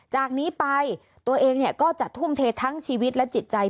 จากนี้ไปตัวเองก็จะทุ่มเททั้งชีวิตและจิตใจ